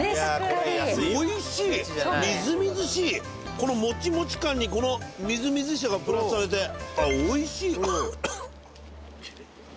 おいしいみずみずしいこのもちもち感にこのみずみずしさがプラスされてあっおいしい